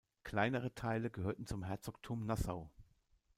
Kleinere Teile gehörten zum Herzogtum Nassau.